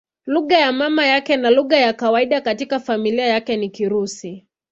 Lugha ya mama yake na lugha ya kawaida katika familia yake ni Kirusi.